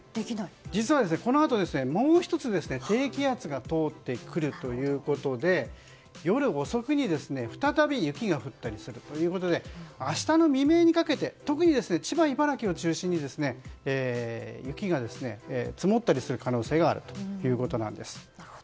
実はこのあと、もう１つ低気圧が通ってくるということで夜遅くに再び雪が降ったりするということで明日の未明にかけて特に千葉、茨城を中心に雪が積もったりする可能性があるということなんです。